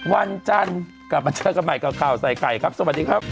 วันจันทร์กลับมาเจอกันใหม่กับข่าวใส่ไข่ครับสวัสดีครับ